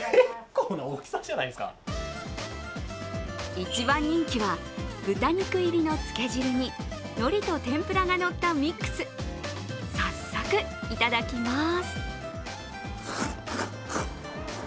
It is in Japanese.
一番人気は豚肉入りのつけ汁にのりと天ぷらがのったミックス、早速いただきます。